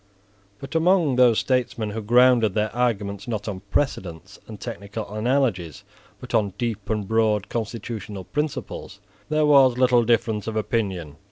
But among those statesmen who grounded their arguments, not on precedents and technical analogies, but on deep and broad constitutional principles, there was little difference of opinion.